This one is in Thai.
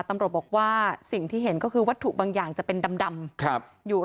ตำรวจบอกว่าสิ่งที่เห็นก็คือวัตถุบางอย่างจะเป็นดำอยู่